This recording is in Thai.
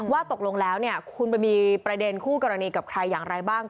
ว่าตกลงแล้วคุณไปมีประเด็นคู่กรณีกับใครอย่างไรบ้าง